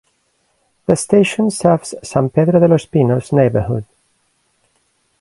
The station serves the San Pedro de los Pinos neighborhood.